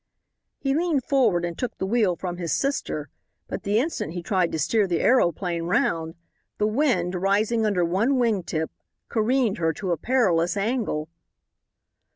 He leaned forward and took the wheel from his sister. But the instant he tried to steer the aeroplane round, the wind, rising under one wing tip, careened her to a perilous angle.